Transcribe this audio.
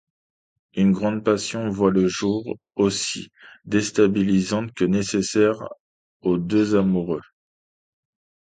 Une grande passion voit le jour, aussi déstabilisante que nécessaire aux deux amoureux.